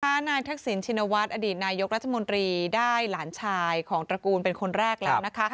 นางสาวแพทย์ทองทานชินวัดบุษาวนายทักษิณชินวัดอดีตนายกรรจมนตรีได้หลานชายของตระกูลเป็นคนแรกแล้วนะคะ